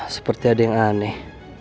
seperti ada yang aneh